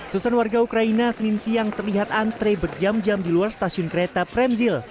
tusan warga ukraina senin siang terlihat antre berjam jam di luar stasiun kereta premzil